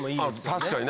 確かにね。